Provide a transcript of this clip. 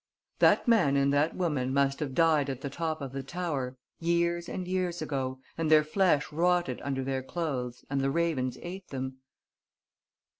"That man and that woman must have died at the top of the tower, years and years ago ... and their flesh rotted under their clothes and the ravens ate them."